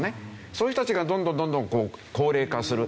そういう人たちがどんどんどんどん高齢化する。